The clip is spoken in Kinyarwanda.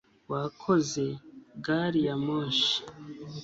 Wakoze gari ya moshi